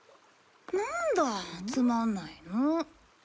なんだつまんないの。